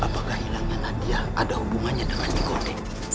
apakah hilangnya nadia ada hubungannya dengan digoreng